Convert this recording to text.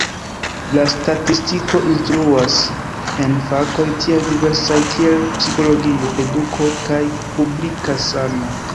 La statistiko instruas en fakoj tiel diversaj kiel psikologio, eduko kaj publika sano.